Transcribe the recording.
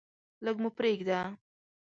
لږ مو پریږده.